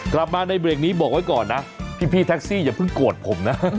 กลับมาในเบรกนี้บอกไว้ก่อนนะพี่แท็กซี่อย่าเพิ่งโกรธผมนะ